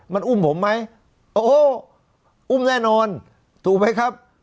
มันอุ้มผมไหมโอ้อุ้มแน่นอนถูกไหมครับ